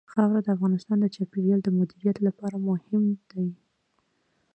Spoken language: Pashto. خاوره د افغانستان د چاپیریال د مدیریت لپاره مهم دي.